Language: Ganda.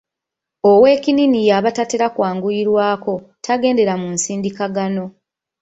Owekinnini y’aba tatera kwanguyirwako, tagendera mu nsindikagano.